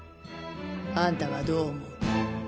あんたはどう思う？